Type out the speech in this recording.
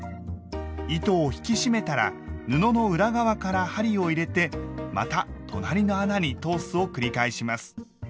糸を引き締めたら布の裏側から針を入れてまた隣の穴に通すを繰り返します。